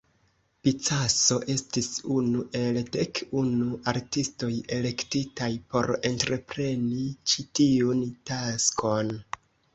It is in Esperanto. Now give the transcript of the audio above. Picasso estis unu el dek unu artistoj elektitaj por entrepreni ĉi tiun taskon.